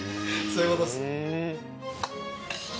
そういうことっすね